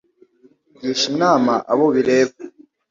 gisha inama abo bireba